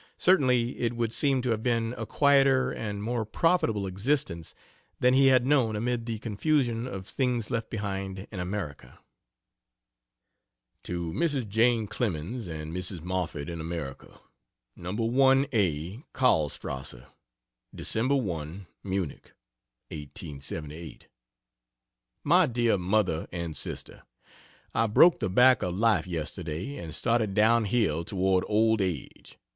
Certainly, it would seem to have been a quieter and more profitable existence than he had known amid the confusion of things left behind in, America. To Mrs. Jane Clemens and Mrs. Moffett, in America: No. 1a Karlstrasse, Dec. 1, MUNICH. 1878. MY DEAR MOTHER AND SISTER, I broke the back of life yesterday and started down hill toward old age.